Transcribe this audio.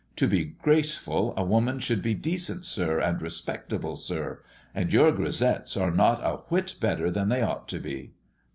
To be graceful, a woman should be decent, sir, and respectable, sir; and your grisettes are not a whit better than they ought to be!"